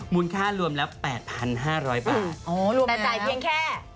มูลค่ารวมละ๘๕๐๐บาท